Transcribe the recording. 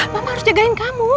mama harus jagain kamu